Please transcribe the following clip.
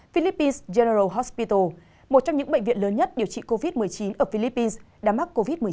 philippines general hospital một trong những bệnh viện lớn nhất điều trị covid một mươi chín ở philippines đã mắc covid một mươi chín